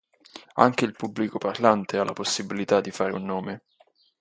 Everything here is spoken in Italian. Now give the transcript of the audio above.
Anche il pubblico parlante ha la possibilità di fare un nome.